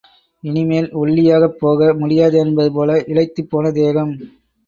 இனிமேல் ஒல்லியாகப் போக முடியாது என்பது போல இளைத்துப் போன தேகம்.